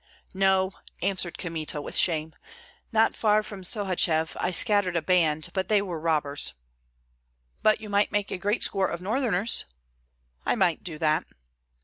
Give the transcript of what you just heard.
"No!" answered Kmita, with shame. "Not far from Sohachev I scattered a band, but they were robbers." "But you might make a great score of Northerners?" "I might do that."